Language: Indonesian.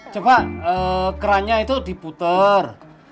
coba kerannya itu diputer